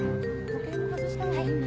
時計も外した方がいいの？